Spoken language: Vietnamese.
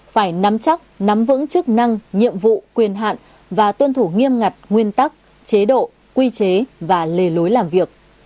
phải nắm chắc nắm vững chức năng nhiệm vụ quyền hạn và tuân thủ nghiêm ngặt nguyên tắc chế độ quy chế và lề lối làm việc